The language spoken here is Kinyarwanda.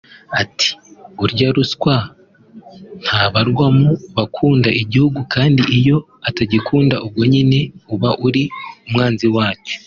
Ati”Urya ruswa ntabarwa mu bakunda igihugu kandi iyo utagikunda ubwo nyine uba uri umwanzi wacyo